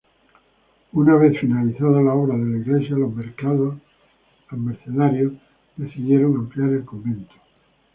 Una vez finalizada la obra de la iglesia, los mercedarios decidieron ampliar el convento.